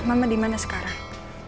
mama di mana sekarang